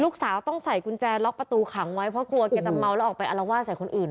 ลูกสาวต้องใส่กุญแจล็อกประตูขังไว้เพราะกลัวแกจะเมาแล้วออกไปอารวาสใส่คนอื่น